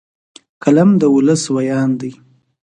قلم د ولس ویاند دی